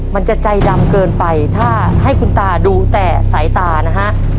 มันจะใจดำเกินไปถ้าให้คุณตาดูแต่สายตานะฮะ